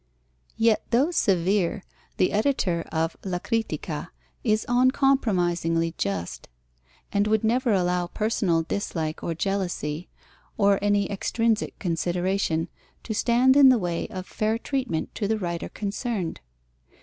Yet though severe, the editor of La Critica is uncompromisingly just, and would never allow personal dislike or jealousy, or any extrinsic consideration, to stand in the way of fair treatment to the writer concerned.